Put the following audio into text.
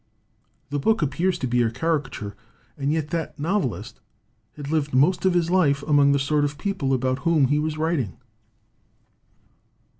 The book appears to be a caricature, and yet that novelist had lived most of his life among the sort of people about whom he was writing